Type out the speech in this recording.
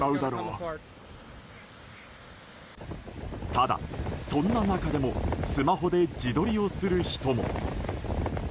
ただ、そんな中でもスマホで自撮りをする人も。